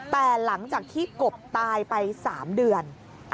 แต่หลังจากที่กบตายไป๓เดือน